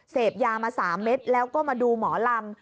เสพยามา๓เม็ดแล้วก็มาดูหมอลำ